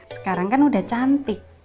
sekarang kan udah cantik